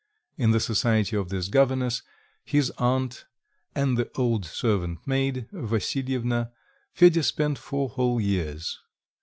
In the society of this governess, his aunt, and the old servant maid, Vassilyevna, Fedya spent four whole years.